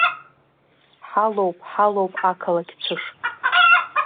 Ҳалоуп, ҳалоуп ақалақь цәыш…